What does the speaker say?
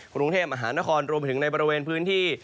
กรุงเทพอาหารตะคอนรวมถึงในบริเวณพื้นที่